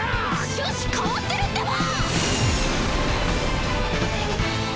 趣旨変わってるってば！